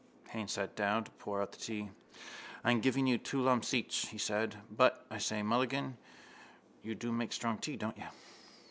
_ Haines sat down to pour out the tea. —I'm giving you two lumps each, he said. But, I say, Mulligan, you do make strong tea, don't you?